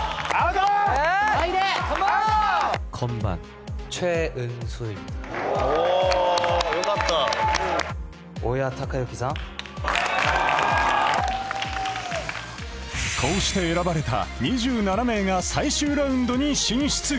カモンこうして選ばれた２７名が最終ラウンドに進出！